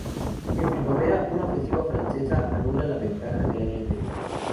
En primavera, una ofensiva francesa anula la ventaja del año anterior.